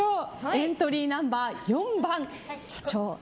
エントリーナンバー４番、社長。